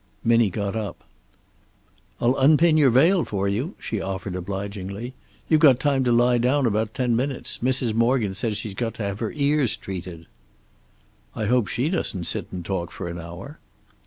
Minnie got up. "I'll unpin your veil for you," she offered, obligingly. "You've got time to lie down about ten minutes. Mrs. Morgan said she's got to have her ears treated." "I hope she doesn't sit and talk for an hour."